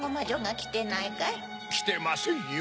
きてませんよ。